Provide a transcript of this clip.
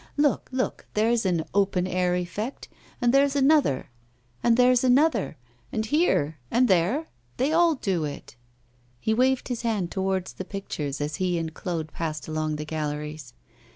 Look, look! there's an "open air" effect, and there's another, and here and there they all do it.' He waved his hand towards the pictures as he and Claude passed along the galleries.